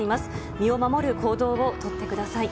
身を守る行動をとってください。